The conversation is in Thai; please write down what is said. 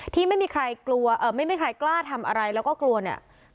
ที่ไม่มีใครกล้าทำอะไรแล้วก็กลัวเนี่ย